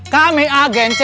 kami agen cai